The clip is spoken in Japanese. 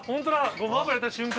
ごま油入れた瞬間。